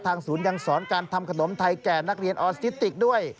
ศูนย์ยังสอนการทำขนมไทยแก่นักเรียนออสทิติกด้วย